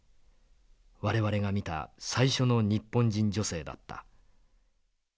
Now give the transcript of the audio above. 我々が見た最初の日本人女性だった。